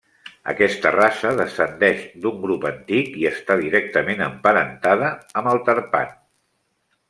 Aquesta raça descendeix d'un grup antic i està directament emparentada amb el tarpan.